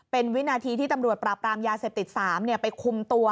เป็นวินาทีที่ตำรวจปลาปลามยาเสพติดสามเนี่ยไปคุมตัว